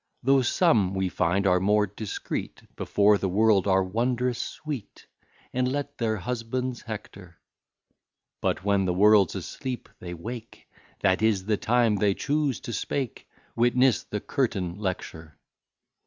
Though some, we find, are more discreet, Before the world are wondrous sweet, And let their husbands hector: But when the world's asleep, they wake, That is the time they choose to speak: Witness the curtain lecture.